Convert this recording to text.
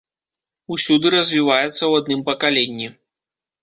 Усюды развіваецца ў адным пакаленні.